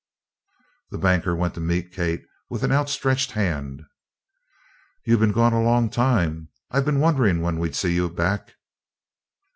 The banker went to meet Kate with an outstretched hand. "You've been gone a long time; I've been wondering when we'd see you back."